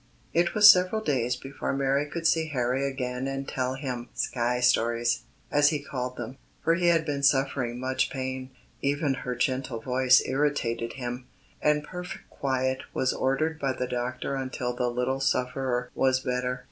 It was several days before Mary could see Harry again and tell him "sky stories," as he called them, for he had been suffering much pain. Even her gentle voice irritated him, and perfect quiet was ordered by the doctor until the little sufferer was better.